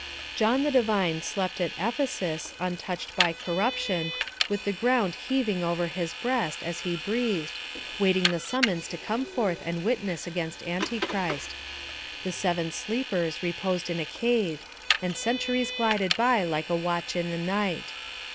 John the Divine slept at Ephesus, untouched by corruption, with the ground heaving over his breast as he breathed, waiting the summons to come forth and witness against Antichrist. The seven sleepers reposed in a cave, and centuries glided by like a watch in the night.